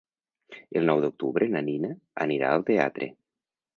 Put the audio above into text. El nou d'octubre na Nina anirà al teatre.